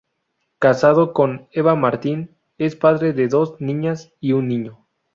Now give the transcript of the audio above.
Casado con Eva Martín es padre de dos niñas y un niño.